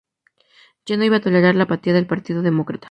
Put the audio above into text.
Ya no iba a tolerar la apatía del Partido Demócrata.